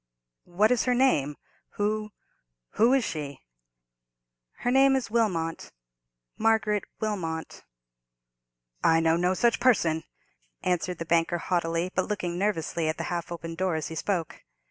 "What is her name?—who—who is she?" "Her name is Wilmot—Margaret Wilmot." "I know no such person!" answered the banker, haughtily, but looking nervously at the half opened door as he spoke.